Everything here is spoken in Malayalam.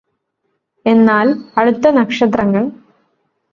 എന്നാല് അടുത്ത നക്ഷത്രങ്ങൾ